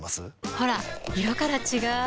ほら色から違う！